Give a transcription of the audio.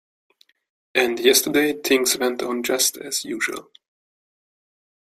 And yesterday things went on just as usual.